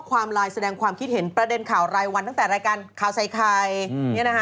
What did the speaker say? ไลน์แสดงความคิดเห็นประเด็นข่าวรายวันตั้งแต่รายการข่าวใส่ไข่